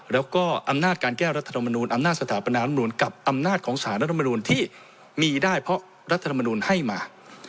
แล้วก็อำนาจการแก้รัฐธรรมนูลอำนาจสถาปนารัฐมนูลกับอำนาจของสารรัฐมนูลที่มีได้เพราะรัฐธรรมนูลให้มา